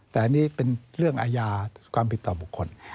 แต่อันนี้เป็นเรื่องอาญาความผิดต่อบุคคล